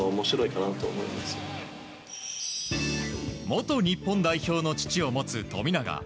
元日本代表の父を持つ富永。